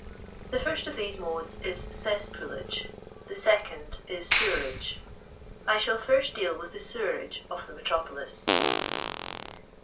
The first of these modes is cesspoolage. The second is sewerage. I shall first deal with the sewerage of the me tropolis.